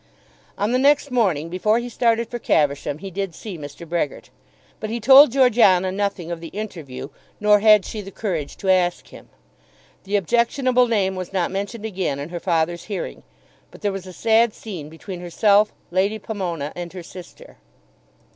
On the next morning before he started for Caversham he did see Mr. Brehgert; but he told Georgiana nothing of the interview, nor had she the courage to ask him. The objectionable name was not mentioned again in her father's hearing, but there was a sad scene between herself, Lady Pomona, and her sister.